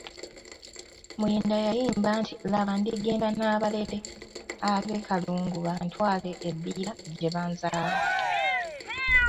Muyinda yayimba nti Laba ndigenda n’abalere ab’Ekalungu bantwaale e Bbira gye banzaala.